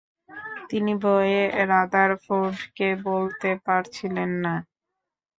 তিনি ভয়ে রাদারফোর্ডকে বলতে পারছিলেন না।